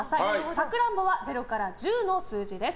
サクランボは０から１０の数字です。